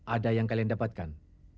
ada yang kalian dapatkan